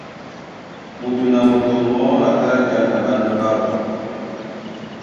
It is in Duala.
Mudun a moto mɔɔ́ a tá a jǎ na ɓána ɓáō.